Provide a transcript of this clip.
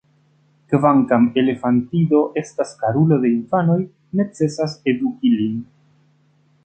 Kvankam elefantido estas karulo de infanoj, necesas eduki lin.